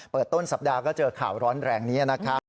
ต้นสัปดาห์ก็เจอข่าวร้อนแรงนี้นะครับ